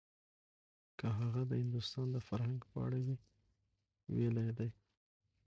که هغه د هندوستان د فرهنګ په اړه وی ويلي دي.